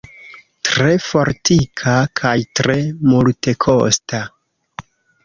Tre fortika kaj tre multekosta.